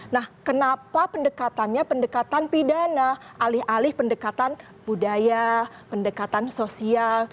nah kenapa pendekatannya pendekatan pidana alih alih pendekatan budaya pendekatan sosial